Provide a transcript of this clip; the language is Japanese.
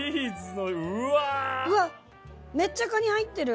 めっちゃカニ入ってる。